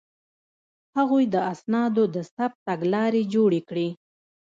هغوی د اسنادو د ثبت تګلارې جوړې کړې.